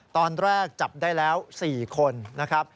ตอนแรกจับได้แล้ว๔คนนะครับ